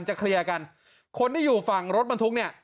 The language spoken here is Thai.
เคลียร์กันคนที่อยู่ฝั่งรถบรรทุกเนี่ย